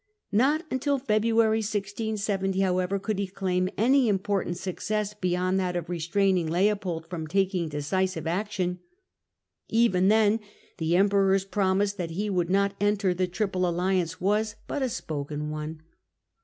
Not until February, 1670, however could he claim any impor tant success beyond that of restraining Leopold from taking decisive action. Even then the Emperor's promise that he would not enter the Triple Alliance was but a spoken one.